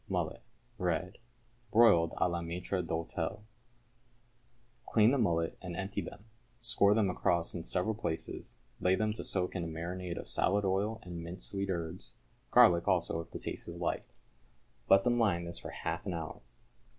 =Mullet, Red= (Broiled à la maître d'hôtel). Clean the mullet and empty them, score them across in several places, lay them to soak in a marinade of salad oil and minced sweet herbs garlic also if the taste is liked. Let them lie in this for half an hour.